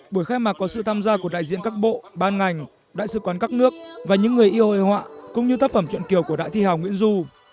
buổi khai mạc có sự tham gia của đại diện các bộ ban ngành đại sứ quán các nước và những người yêu hội họa cũng như tác phẩm chuyện kiều của đại thi hào nguyễn du